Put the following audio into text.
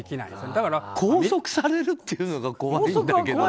拘束されるっていうのが怖いんだけど。